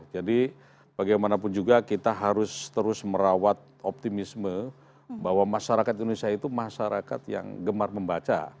jadi bagaimanapun juga kita harus terus merawat optimisme bahwa masyarakat indonesia itu masyarakat yang gemar membaca